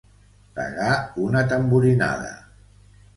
Pegar una tamborinada.